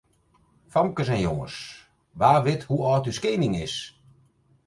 Famkes en jonges, wa wit hoe âld as ús koaning is?